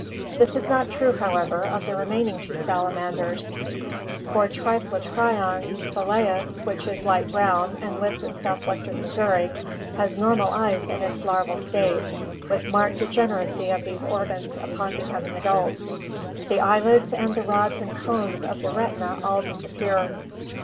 This is not true, however, of the remaining two CAVE AND DEEP SEA LIFE 375 salamanders, for Typhlotrilon spelaus, which is light brown and lives in southwestern Missouri, has normal eyes in its larval state, with marked degeneracy of these organs upon becoming adult. The eyelids and the rods and cones of the retina all disappear.